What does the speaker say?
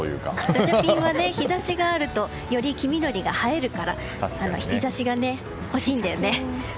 ガチャピンは日差しがあるとより黄緑が映えるから日差しが欲しいんだよね。